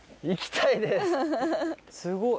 行きたいです！